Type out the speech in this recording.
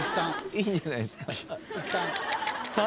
いいんじゃないすか？